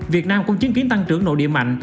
việt nam cũng chứng kiến tăng trưởng nội địa mạnh